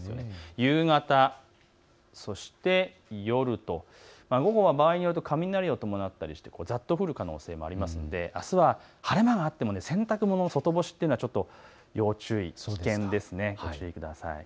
夕方、そして、夜と午後は場合によると雷を伴ったりしてざっと降ることもありますのであすは晴れ間があっても洗濯物の外干しというのは要注意ですね。